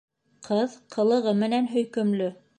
Ҡыҙ ҡылығы менән һөйкөмлө